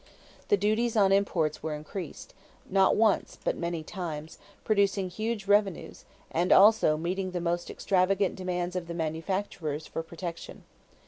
The duties on imports were increased, not once but many times, producing huge revenues and also meeting the most extravagant demands of the manufacturers for protection.